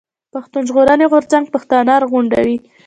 پښتون ژغورني غورځنګ پښتانه راغونډوي.